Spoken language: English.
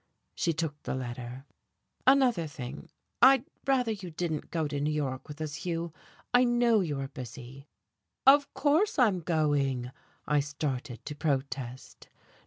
She took the letter. "Another thing I'd rather you didn't go to New York with us, Hugh. I know you are busy " "Of course I'm going," I started to protest.